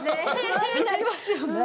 不安になりますよね。